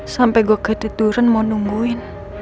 sampai gue ketiduran mau nungguin